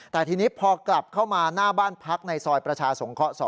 แต่ทีนี้พอกลับเข้ามาหน้าบ้านพักในซอยประชาสงเคราะห์๒